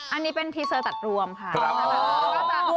อันนี้เป็นพรีเซอร์ตัดรวมค่ะ